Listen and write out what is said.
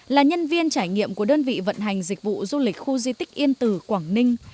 là nhân viên trải nghiệm của đơn vị vận hành dịch vụ du lịch khu di tích yên tử quảng ninh